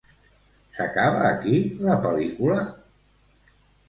S'acaba aquí, la pel·lícula?